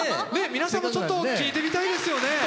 皆さんもちょっと聴いてみたいですよね。